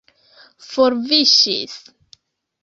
forviŝis